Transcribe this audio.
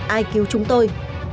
ai cứu chúng tôi